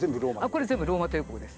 これ全部ローマ帝国です。